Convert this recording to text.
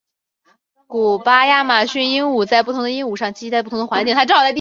古巴亚马逊鹦鹉在不同的岛屿上栖息在不同的环境。